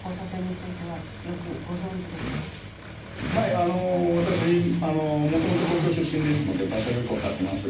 あの私もともと東京出身ですので場所はよくわかってますが。